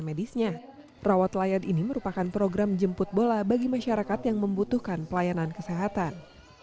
medisnya perawat layak ini merupakan program jemput bola bagi masyarakat yang membutuhkan pelayanan kesehatan